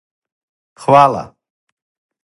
Хвала!